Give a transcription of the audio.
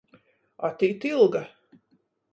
Atīt Ilga.